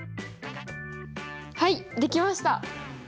はいできました。